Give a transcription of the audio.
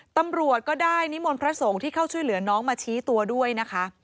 ตำรวจก็ได้นิมนต์พระสงฆ์ที่เข้าช่วยเหลือน้องมาชี้ตัวด้วยนะคะ